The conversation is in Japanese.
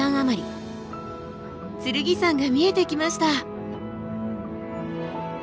剣山が見えてきました！